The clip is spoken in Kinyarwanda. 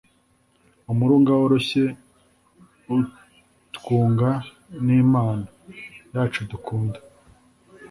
u murunga woroshye utwunga n’imana, yacu dukunda